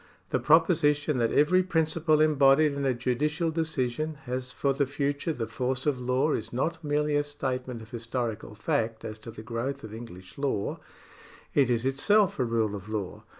The proposition that every principle embodied in a judicial decision has for the future the force of law is not merely a statement of historical fact as to the growth of English law ; it is itself a rule of law.